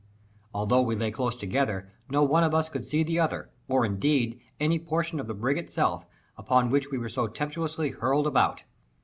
Although we lay close together, no one of us could see the other, or, indeed, any portion of the brig itself, upon which we were so tempestuously hurled about.